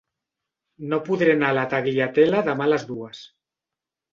No podré anar a la Tagliatella demà a les dues.